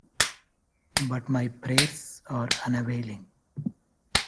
But my prayers are unavailing.